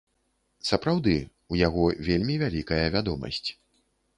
Сапраўды, у яго вельмі вялікая вядомасць.